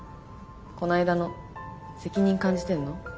こないだの責任感じてんの？